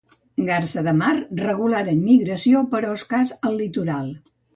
Garsa de mar regular en migració, però escàs, al litoral.